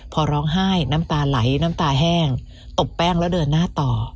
พอร้องไห้น้ำตาไหลน้ำตาแห้งตบแป้งแล้วเดินหน้าต่อ